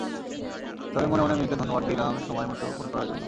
তবে মনে মনে মেয়েকে ধন্যবাদ দিলাম, সময় মতো ফোন করার জন্য।